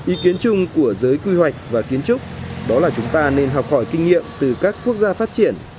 ý kiến chung của giới quy hoạch và kiến trúc đó là chúng ta nên học hỏi kinh nghiệm từ các quốc gia phát triển